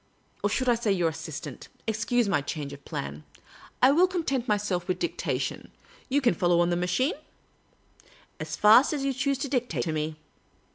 Or .should I say your assistant ? Excuse my change of plan. I will content myself with dic tation. You can follow on the machine ?''" As fast as you choose to dictate to me."